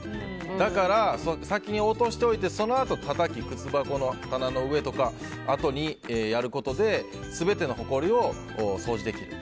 だから、先に落としておいてそのあとたたき、靴箱の棚の上とかをやることで全てのほこりを掃除できる。